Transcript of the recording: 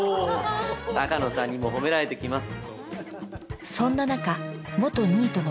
鷹野さんにも褒められてきます。